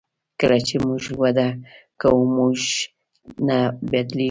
کله چې موږ وده کوو موږ نه بدلیږو.